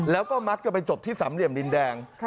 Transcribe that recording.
แล้วก็มักจะไปจบที่สามเหลี่ยมดินแดง